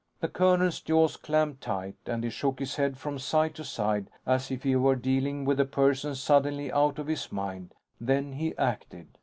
The colonel's jaws clamped tight; and he shook his head from side to side, as if he were dealing with a person suddenly out of his mind. Then he acted.